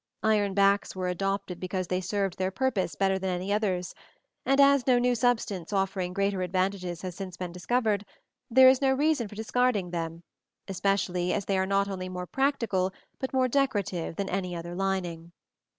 Iron backs were adopted because they served their purpose better than any others; and as no new substance offering greater advantages has since been discovered, there is no reason for discarding them, especially as they are not only more practical but more decorative than any other lining.